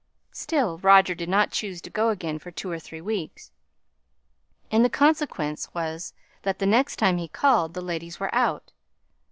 Still, Roger did not choose to go again for two or three weeks, and the consequence was that the next time he called the ladies were out.